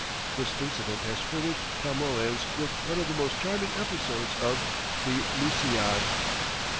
This incident has furnished Camoens with one of the most charming episodes of the "Lusiad."